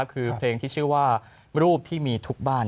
คือเพลงที่ชื่อว่ารูปที่มีทุกบ้าน